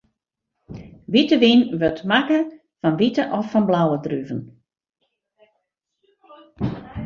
Wite wyn wurdt makke fan wite of fan blauwe druven.